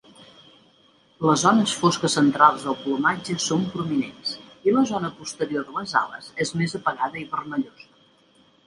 Les zones fosques centrals del plomatge són prominents i la zona posterior de les ales és més apagada i vermellosa.